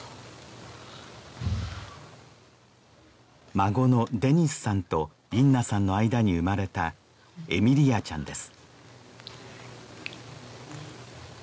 孫のデニスさんとインナさんの間に生まれたエミリアちゃんです